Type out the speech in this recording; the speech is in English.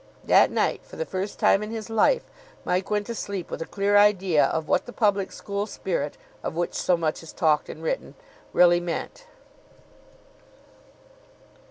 That night, for the first time in his life, Mike went to sleep with a clear idea of what the public school spirit, of which so much is talked and written, really meant.